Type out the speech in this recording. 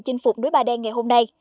chinh phục núi bà đen ngày hôm nay